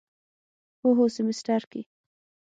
هو، هر سیمیستر کی